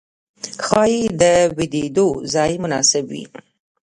ښايې د ويدېدو ځای مناسب وي.